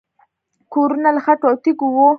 کورونه له خټو او تیږو وو